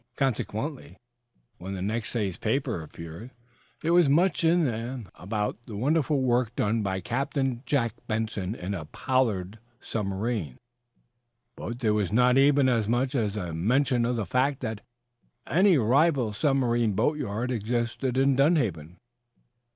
Consequently, when the next day's papers appeared there was much in them about the wonderful work done by Captain Jack Benson in a "Pollard" submarine, but there was not even as much as a mention of the fact that any rival submarine boatyard existed in Dunhaven.